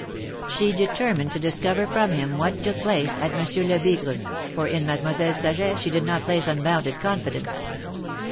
She determined to discover from him what took place at Monsieur Lebigre's, for in Mademoiselle Saget she did not place unbounded confidence.